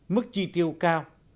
mức chi tiêu cao